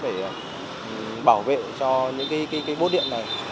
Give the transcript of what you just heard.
để bảo vệ cho những bốt điện này